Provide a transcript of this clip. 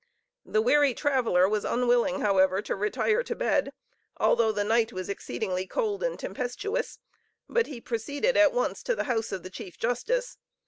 The weary traveler was unwilling, however, to retire to bed, although the night was exceedingly cold and tempestuous, but he proceeded at once to the house of the chief justice.